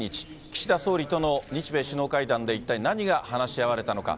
岸田総理との日米首脳会談で、一体何が話し合われたのか。